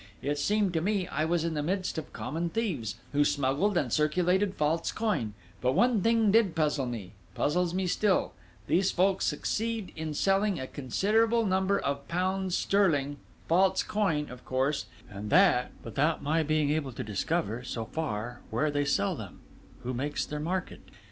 It seemed to me I was in the midst of common thieves, who smuggled and circulated false coin; but one thing did puzzle me puzzles me still: these folk succeed in selling a considerable number of pounds sterling, false coin, of course, and that without my being able to discover, so far, where they sell them who makes their market.